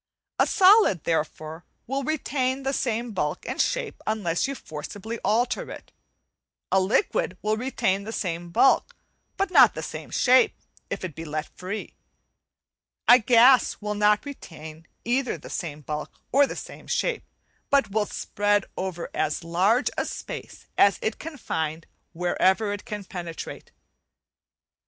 A solid, therefore, will retain the same bulk and shape unless you forcibly alter it; a liquid will retain the same bulk, but no the same shape if it be left free; a gas will not retain either the same bulk or the same shape, but will spread over as large a space as it can find wherever it can penetrate.